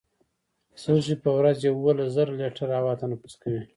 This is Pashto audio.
سږي په ورځ یوولس زره لیټره هوا تنفس کوي.